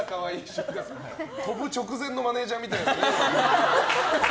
飛ぶ直前のマネジャーみたいなね。